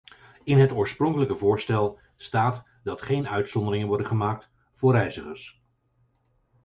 In het oorspronkelijke voorstel staat dat geen uitzonderingen worden gemaakt voor reizigers.